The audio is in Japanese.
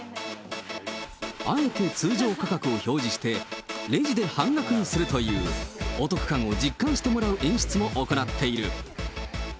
あえて通常価格を表示して、レジで半額にするという、お得感を実感してもらう演出も行っている。